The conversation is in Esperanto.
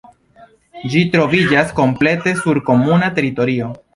Ĝi troviĝas komplete sur komunuma teritorio.